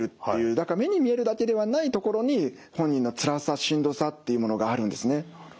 だから目に見えるだけではないところに本人のつらさしんどさというものがあるんですね。